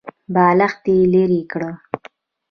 بالښت يې ليرې کړ.